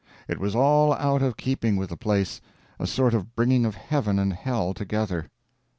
It was all out of keeping with the place, a sort of bringing of heaven and hell together.